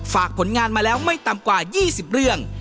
ฝากผลงานมาแล้วไม่ต่ำกว่า๒๐เรื่อง